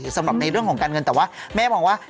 สำหรับในเรื่องของการเงินแต่ว่าแม่มองว่า